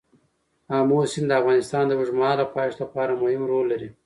آمو سیند د افغانستان د اوږدمهاله پایښت لپاره مهم رول لري.